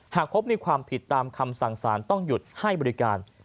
หากพบมีความผิดตามคำสั่งสารต้องหยุดให้บริการ